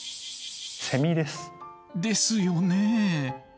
セミです。ですよね。